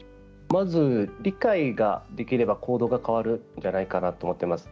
まず理解ができれば行動が変わるんじゃないかなと思ってます。